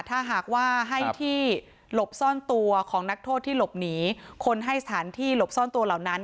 ถ้าหากว่าให้ที่หลบซ่อนตัวของนักโทษที่หลบหนีคนให้สถานที่หลบซ่อนตัวเหล่านั้น